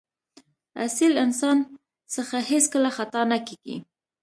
اصیل انسان څخه هېڅکله خطا نه کېږي.